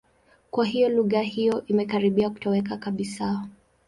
Kwa hiyo, lugha hiyo imekaribia kutoweka kabisa.